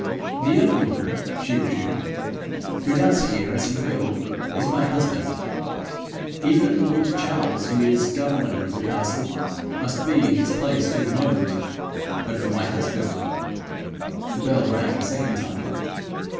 'The only one,' she resumed, 'who does here as he will, is my husband. Even lord Charles, who is governor of the castle, must be in his place to the moment; but for my husband .' The bell rang a second time.